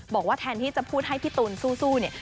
บอกว่าแทนที่จะพูดให้พี่ตูนสู้เนี่ย